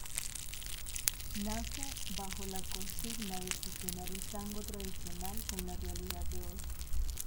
Nace bajo la consigna de fusionar el tango tradicional con la realidad de hoy.